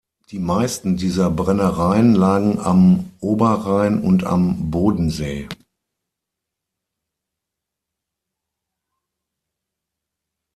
Die meisten dieser Brennereien lagen am Oberrhein und am Bodensee.